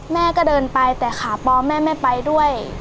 แม่ก็เดินไปแต่ขาปอแม่ไม่ไปด้วย